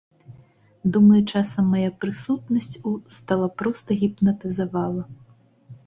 Думаю, часам мая прысутнасць у стала проста гіпнатызавала.